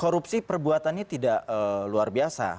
korupsi perbuatannya tidak luar biasa